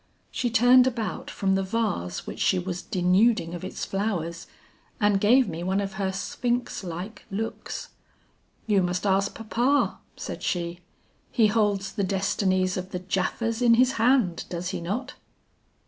"She turned about from the vase which she was denuding of its flowers, and gave me one of her sphinx like looks. 'You must ask papa,' said she. 'He holds the destinies of the Japhas in his hand, does he not?'